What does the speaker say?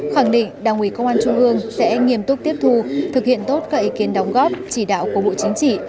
khẳng định đảng ủy công an trung ương sẽ nghiêm túc tiếp thu thực hiện tốt các ý kiến đóng góp chỉ đạo của bộ chính trị